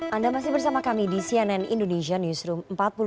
anda masih bersama kami di cnn indonesia newsroom